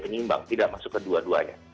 penyeimbang tidak masuk ke dua duanya